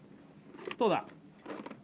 どうだ？